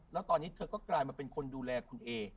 แล้วตอนนี้เธอก็กลายมาเป็นคนดูแลคุณเอ